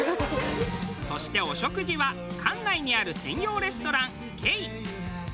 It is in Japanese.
そしてお食事は館内にある専用レストラン惠。